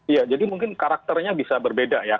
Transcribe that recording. iya jadi mungkin karakternya bisa berbeda ya